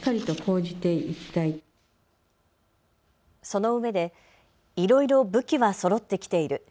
そのうえでいろいろ武器はそろってきている。